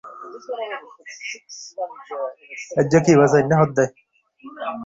চন্দ্রমাধববাবু চুলগুলার মধ্যে ঘন ঘন পাঁচ আঙুল চালাইয়া অত্যন্ত উস্কোখুস্কো করিয়া তুলিলেন।